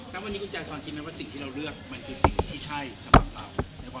ณวันนี้คุณแจซอนคิดไหมว่าสิ่งที่เราเลือกมันคือสิ่งที่ใช่สำหรับเรา